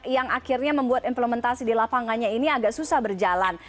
yang akhirnya membuat implementasi di lapangannya ini agak susah berjalan